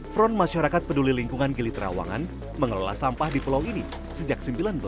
front masyarakat peduli lingkungan gili terawangan mengelola sampah di pulau ini sejak seribu sembilan ratus delapan puluh